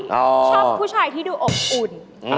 ชอบผู้ชายที่ดูอบอุ่น